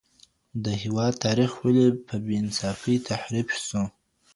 د هېواد تاریخ ولې په بې انصافۍ تحریف سو؟